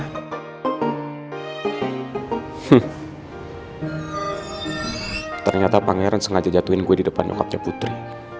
ternyata pangeran sengaja jatuhin gue di depan nyokapnya putri